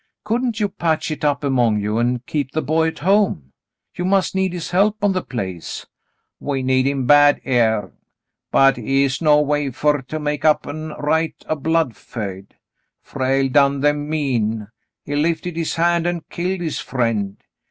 Couldn't you patch it up among you, and keep the boy at home ? You must need his help on the place." "We need him bad here, but the' is no way fer to make up an* right a blood feud. Frale done them mean. He David makes a Discovery 79 lifted his hand an' killed his friend.